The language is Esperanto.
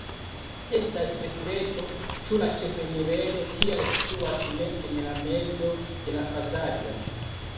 Estas sekreto, ĉu la ĉefenirejo kial situas ne en la mezo de la fasado.